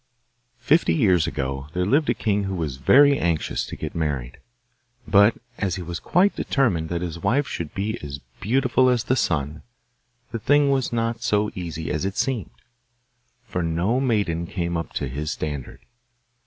Fifty years ago there lived a king who was very anxious to get married; but, as he was quite determined that his wife should be as beautiful as the sun, the thing was not so easy as it seemed, for no maiden came up to his standard.